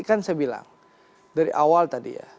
kan saya bilang dari awal tadi ya